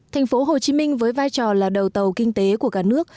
thành phố hồ chí minh với vai trò là đầu tàu kinh tế của cả nước